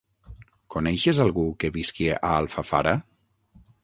Coneixes algú que visqui a Alfafara?